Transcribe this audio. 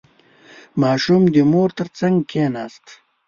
• ماشوم د مور تر څنګ کښېناست.